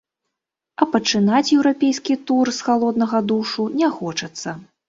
А пачынаць еўрапейскі тур з халоднага душу не хочацца.